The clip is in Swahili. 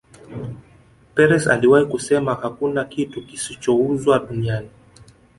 Perez aliwahi kusema hakuna kitu kisichouzwa duniani